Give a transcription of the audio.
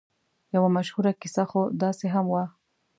یوه مشهوره کیسه خو داسې هم وه.